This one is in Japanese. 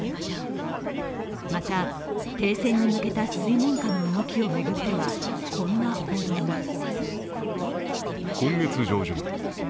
また、停戦に向けた水面下の動きを巡ってはこんな報道が。